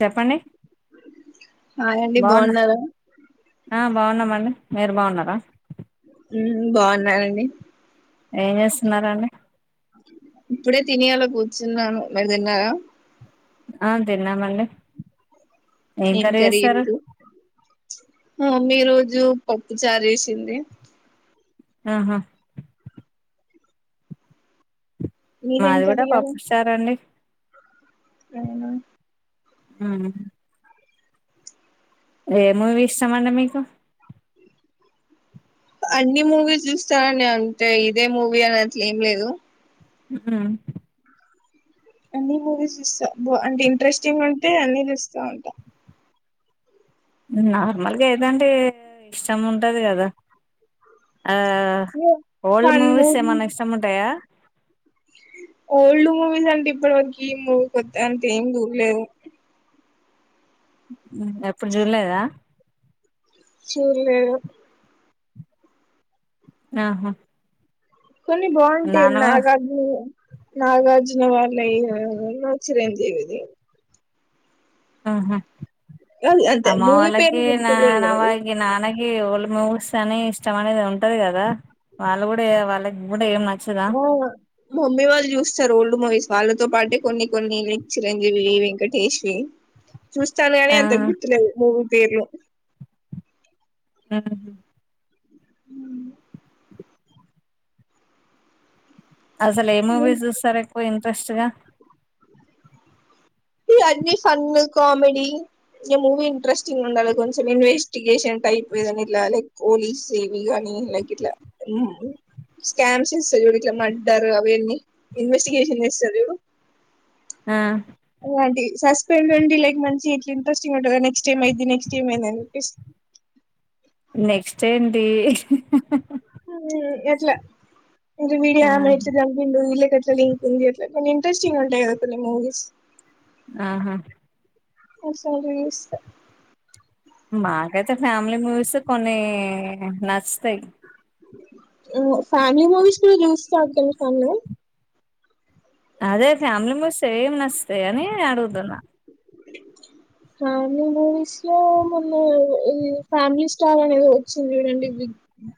చెప్పండి హాయ్ అండి బాగున్నారా బాగున్నా బాగున్నామండి మీరు బాగున్నారా బాగున్నాండి ఏం చేస్తున్నారండి ఇప్పుడే తిని అలా కూర్చున్నాను మీరు తిన్నారా ఆ తిన్నామండి ఏం కర్రీ క చేసారు మీ రోజు పప్పు జారేసింది ఆహా మీదేం మాది కర్రీ కూడా ఇయ్యాల పప్పుస్తారం అండి అవునా ఆ ఏ మూవీ ఇష్టంమండి మీకు అన్ని మూవీస్ చూస్తారంండి అంతే ఇదే మూవీ అని అట్లు ఏం లేదు ఆ అన్ని మూవీస్ ఇస్తా బా అంటే ఇంట్రెస్టింగ్ ఉంటే అన్ని చ ఇస్తా ఉంటా నార్మల్గా ఏదండి ఇష్టం ఉంటంది కదా ఆ ఓల్డ్ ఫన్ మూవీస్ మూవీ ఏమైనా ఇష్టం ఉంటాయా ఓల్డ్ మూవీస్ అంటే ఇప్పటి వరకు ఈ మూవీ కొత్తా అంటే ఏం దూరలేదు ఎప్పుడు చూలేదా చిన్న ఆహా కొన్ని బాగుంటాయి నాన్న నా కూడా కా నాగార్జున వాారిళ నా చిరంజీవిది హహ అది అంతే మూవీ పేర్లు అమ్మవళకి నా గుర్తులేదు నావగ నానకి ఇ ఓల్డ్ మూవీస్ అని ఇష్టం అనేది ఉంటది కదా డ వాళ్ళ గు ఆ మమ్మీ వాళ్ళు చూస్తారు ఓల్డ్ మూవీస్ వాళ్ళతో పాటే కొన్ని కొన్ని చిరంజీవి వెంకటేష్వి చూస్తాను గానీ ఆ అంతకు గుర్తులేదు మూవీ పేర్లు ఆ ఉ అసలు ఏ మూవీ చూస్తారు ఎక్కువ ఇంట్రెస్ట్గా అీ ఫన్న కామెడి ఇంక మూీ ఇంట్రెస్టింగ్ ఉండాలి కొంచెం ఇన్వెస్టిగేషన్ టైప్ ఏదనా ఇ లైక్ పోలీస్ేవి కానీ లక ఇట్లా స్కామ్స్ ఇస్తారు చూడు ఇట్లా మర్డర్ అవన్నీ ఇన్వెస్టిగేషన్ చేస్తారు చూడు ఆ అలాంటి సస్పెన్స్ ఉండి లైక్ మంచి ఇట్ ఇంట్రెస్టింగ్ ఉంటుందా నెక్స్ట్ టైమ్ అయిది నెక్స్ట్ ట ఏమ్ అయిందిందని చెప్పే నెక్స్ట్ ఏంటి అట్లా ఇ వీడి ఆమ ఆహా ఇ ఎట్లా లింక్ ఉంది ఎట్ కొన్ని ఇంట్రెస్టింగ్ ఉంటాయి కదా కొ మూవీస్ ఆహా అసస్త మాకైతే ఫ్యామిలీ మూవీస్ కొన్ని నచ్చుతాయి. ఫ్యామిలీ మూవీస్ కూడా చూస్తాగలి ఫంలో అదే ఫ్యామిలీ మూవీస్ ఏం నచ్చుతాయని అని అడుగుతున్నా అ ఫ్యామిలీ మూవీస్ లో మొన్న ఈ ఫ్యామిలీ స్టార్ అనేది వచ్చింది చూడండి.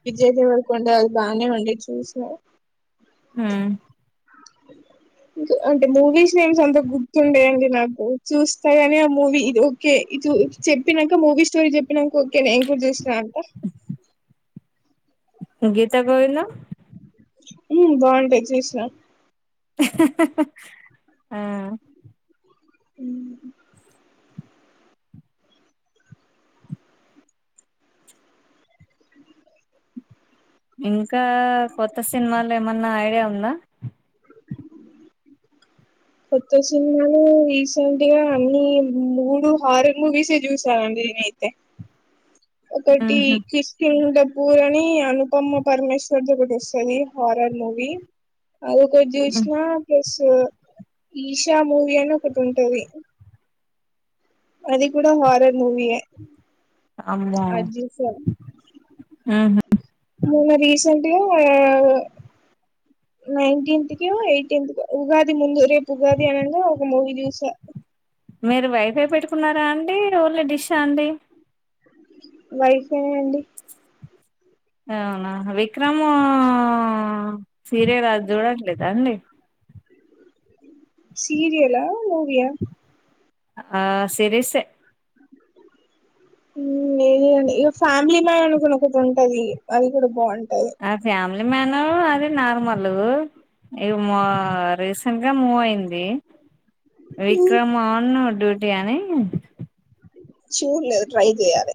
విజయ్ దేవరకొండ అది బాగానే ఉండే చూస ఆ అంటే మూవీస్ నేమ్స్ సొంత గుర్తుండేయండి నాకు చూస్తాయని ఆ మూవీ ఓకే ఇ చెప్పినాక మూవీ స్టోరీ చెప్పినాక ఓకే నేను కూర్చసన్నా అంట గీత గోవింద ఉ బాగుంటాయి చూసినా హహ ఆ ఉ ఇంకా కొత్త సినిమాలు ఏమన్నా ఐడియా ఉందా కొత్త సినిమాలో రీసెంట్గా అన్ని మూడు హారర్ మూవీస్ ఏ చూసా అండి యితే ఒకటి ఉహు క్రిస్టిన్ పూర్ అనుపమ పరమేశ్వర్ ద ఒకటి వస్తుంది హారర్ మూవీ అది ఒకటి చూసినా ప్లస్ ఈషా మూవీ అని ఒకటి ఉంటది అది కూడా కూడా హారర్ మూవియే అమ్మో ఉహు మొన్న రీసెంట్గా నైన్టీన్త్ కి ఎయిటీన్త్ కో ఉగాది ముందు రేపు ఉగాది అనంగ ఒక మూవీ చూసా మీరు వైఫై పెట్టుకున్నారా అండి ఓన్లీ డిష్ ఆ అండి. వైఫై అండి. అవునా విక్రమ్ సీరియల్ అది చూడట్లేదా అండి సీరియలా మూవీ ఆ ఆ సిరీస్ ఏ ఏండి ఇక ఫ్యామిలీ మ్యాన్ అనుకుని ఒకటి ఉంటది అది కూడా బాగుంటుంది. ఆ ఫ్యామిలీ మ్యాన అది నార్మల్ ఇవి మ రీసెంట్ గా మూవ్ అయింది. విక్రమ్ ఆన్ డ్యూటీ అని చూ లేదు ట్రై చేయాలే.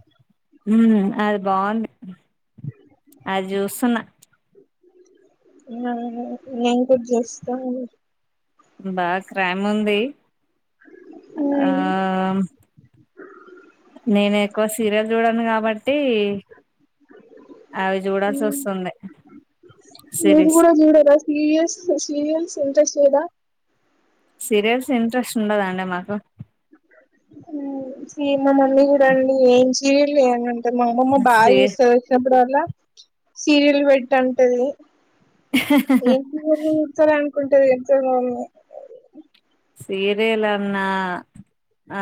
ఉమ్ అది బాగుంది అది చూస్తున్న ఆ నేను కూడా చూస్తాను. బాగా క్రైమ్ ఉంది ఆ నేను ఇక్కువ సీరియల్ చూడండి కాబట్టి అవి చూడాల్సి వస్తుంది మీరు సిరీస్ కూడా చూడరా సీరియల్స్, సీరియల్స్ ఇంట్రెస్ట్ లేదా. సీరియల్స్ ఇంట్రెస్ట్ ఉండదండి మాకు ఉమ్ సి మా మమ్మీ కూడా అండి సీరియల్ లేయాలండి. మా అమ్మమ్మ బాగా సీ చూస్తది వచ్చినప్పుడల్ల సీరియల్ పెట్టుంటది. ఎం సీరియల్ చూతాల అనుకుంటది ఎంత మ సీరియల్ అన్నా అ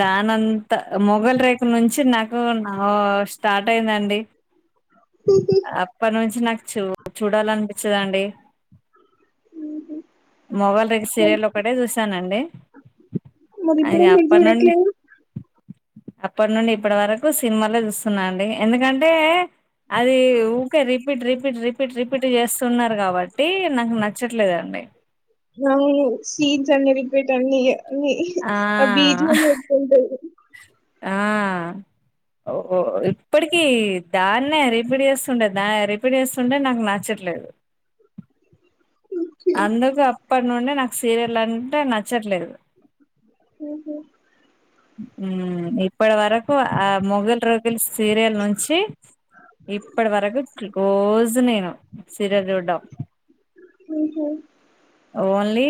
దానంతా మొఘల్ రేకులు నుంచి నాకు స్టార్ట్ అయి దండి మమ్మీ అప్పటి నుంచి నాకు చూ చూడాలనిపించదండి. మొఘల్ రేకూల్ మరి సీరియల్ ఒకటే చూశానండి. మరి అ ఇగ ఇప్పుడెందుకు అప్పనుండి చూడట్లేదు అప్పటి నుండి ఇప్పటి వరకు సినిమాలే చూస్తున్నా అండి ఎందుకంటే అది ఊకే రిపీట్ రిపీట్ రిపీట్ రిపీట్ చేస్తున్నారు కాబట్టి నాక్ నచ్చట్లేదండి అవును సీన్స్ అన్ని రిపీట్ అన్ని ఇయే లే ఆ బీజిఎమ్ ఎంత్ ఉంటది ఆ ఓ ఓ ఇప్పటికి దాన్నే రిపీట్ చేస్తుండ దా రిపీట్ చేస్తుంటే నాకు నచ్చట్లేదు ఓకే అందుకు అప్పడ్ నుండి నాకు సీరియల్ అంటే నచ్చట్లేదు హు హు ఇప్పటి వరకు ఆ మొఘల్ రేకుల్ సీరియల్ నుంచి ఇప్పడి వరకు క్లో కోజు నేను సీరెల్ చూడ్డం ఓహో. అవున్ లే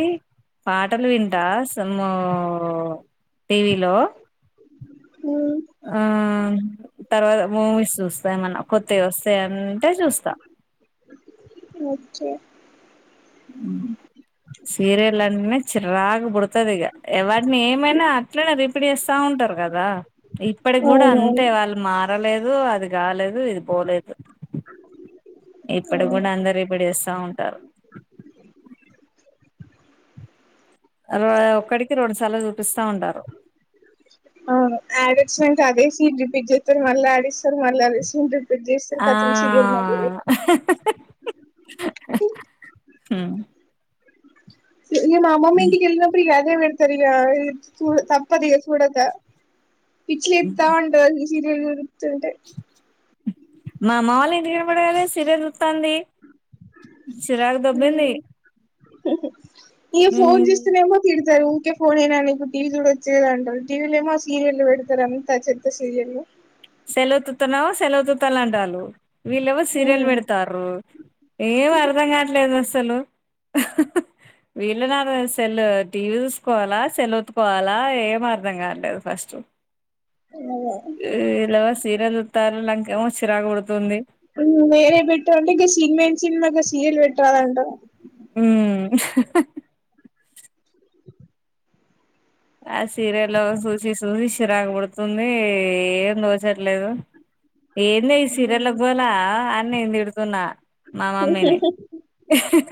పాటలు వింటవా సమ్మో టీవీలో ఉమ్. ఆ తర్వాత మూవీస్ సుస్తా ఏమన్న కొత్తవి ఒస్తే అంటే చూస్తా చే ఊ సీరియల్ అంట్నే చిరాకు బుడతదిగా ఎవడ్ని ఏమైన అట్లనే రిపిట్ చేస్తా ఉంటారు గదా ఈప్ ఇప్పడిగ్ గుడా అవునవును అంతే వాళ్ళు మారలేదు అది గాలేదు ఇది పోలేదు ఇప్పటిక్ గుడా అంతా రిపీట్ చేస్తా ఉంటారు అరవై ఒక్కటికి రొండు సార్లు చూత్ అవును యాడేడ్స్ అంటే అదే సీన్ రిప్ పిట్ జేతరు మల్ల ఆడిస్తరు మల్ల అదే సుటెడ్ ఆ హు ఇ ఈ మా అమ్మమ్మ ఇంటికి ఎళ్ళినప్పుడు ఇగ అదే బెడ్తరు ఇగ ఈ సూడ తప్పద్ ఇగ సూడక పిచ్చి లేత్తా ఉంటది అది ఈ సీరియల్ చూరు థాంటే మా అమ్మ వాళ్ ఇంటి కనపడ గదే సీరియల్ చూతాంది చిరాక్ దొబ్బింది ఈ ఫోన్ హ్మ్ జుస్తే నేమో తిడుత్ తరు ఊకే ఫోనేనా నీకు టీవీ జుడచు గదా అంటరు టీవీలో ఏమో సీరియల్ పెడతర్ అంతా చెత్త సీరియల్లు సెల్లు ఒత్తుతన్నావు సెల్ ఒత్తుతల్ల అంటాలు వీళ్ ఎవో సీరియల్ ఉమ్ పెడతారు ఏం అర్ధం గాట్లేదు అస్ తలు వీళ్ళు నార్ సెల్ టీవీ జుసుకోవాలా సెల్ ఒత్తుకోవాలా ఏం అర్ధం గాట్లేదు ఫస్టు ఆ ఈల్ ఏమో సీరియల్ జూత్ అమ్ వేరే బెట్టమంటే ఇగ సీన్మేన్ సిన్మాకా సీరీయల్ పెట్రాద్ అంటరు ఉమ్ ఆ సీరియల్లు సూసి సూసి చిరాగ్ పుడుతుంది ఏం దోచట్లేదు ఏందే ఈ సీరియల్ల గోలా అన్ నేన్ తిడుతున్నా మా మమ్మీని సా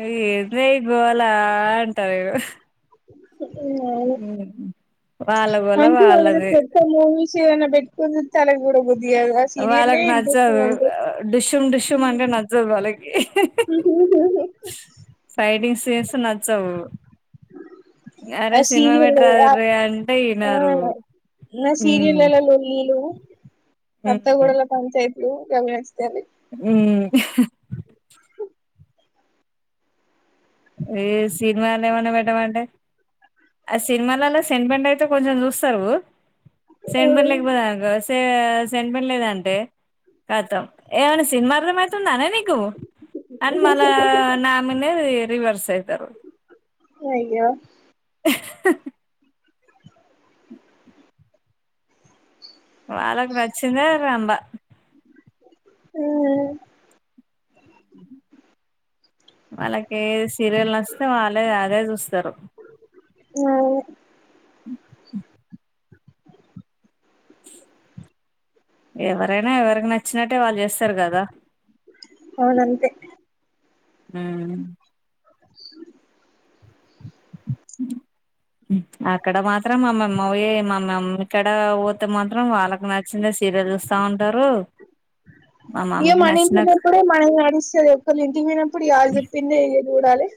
ఆ ఏందే ఈ గోల అంటాది ఏం బాలే వాళ్ళ గోల అంటున్నావు గదా వాళ్ళది పెద్ద మూవిస్ చీవన్న బెట్కొన్ జుత్తలే జూడబుద్ వాళ్ళక్ నచ్చదు ఆ డుషుం డుషుం అంటే నచ్చదు వాళ్ళకి ఆ ఫైటింగ్స్ సేస్తే నచ్చవు అరే ఆ సినిమా సీరియల్ పెట్రా అరే అంటే ఆ ఇనరు నా ఉమ్ సీరియల్లో లొల్లీలు అత్తగోడలా పంచాయతిలు అవి నచ్చుతాది మ్ ఏ సినిమా అన్న ఏమన్న పెట్టమంటే ఆ సినిమాలల్ల సెంటిమెంట్ అయితే కొంచెం చూస్తారు. సెంటిమెంట్ లేకపోతే సెంటిమెంట్లేదంటే కతం ఏమైనా సినిమా అర్థం అయితుందానే నీ తు అన్ మళ్ళ నామిదనే రివర్స అయి దరు అయ్యో వాళ్ళకు నచ్చిందే రంభ ఆ ఆ వాళ్ళకే సీరియల్ నచ్చితే వాళ్ళే అదే చూస్తారు. [unintelligible] ఎవరైనా ఎవరికి నచ్చినట్టే వాళ్ళు చేస్తారు కదా అవునంతే హ్ ఆ అక్కడ మాత్రం మా మమ్మ బోయే మా మమ్మీ కడా పోతే మాత్రం వాళ్ళకు నచ్చిందే సీరియల్ చూస్తా ఉంటరు. ఇగ మన ఇంట్ల ఉన్నప్పుడే మనది నడుస్తది ఒకరి ఇంటికి పోయినప్పుడు ఇగ ఆళ్లు చెప్పిందే చూడాలె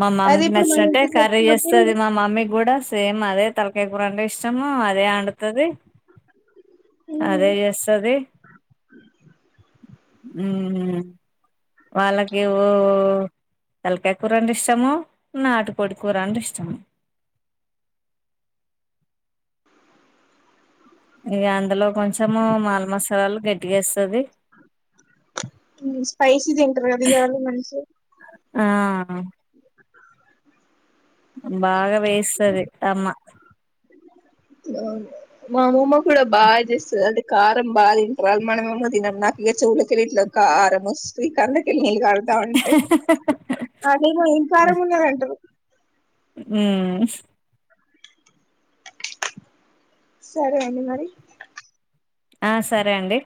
మా మమ్మీకి నచ్చినట్టే కర్రీ వచ్చినప్పుడు చేస్తది మా మమ్మీ కూడా సేమ్ అదే తల్కాయ్ కూరంటే ఇష్టం. అదే అండుతది. మ్మ్ అదే చేస్తది. మ్ వాళ్ళకి ఊ తల్కాయ్ కూరంటే ఇష్టము. నాటుకోడి కూర అంటే ఇష్టం. ఇగ అందులో కొంచెము మాల్ మసాల్ గడ్డిగస్తది. స్పైసీ తింటరుగా బిర్యానీ మంచి ఆ బాగా వేస్తది అమ్మ. అవ్నా మా అమమ్మ కూడా బాగా చేస్తది అంటే కారం బా తింటరాళ్ళు మనమేమో తినం. నాక్ ఇగ చెవులకెళ్ళి ఇట్ల క కారం వస్తది కళ్ళ కెళ్ళి నీల్ కార్ తా ఉంటే అదేమో ఏం కారం ఉన్నదంటరు. మ్ సరే అండి మరి ఆ సరే అండి.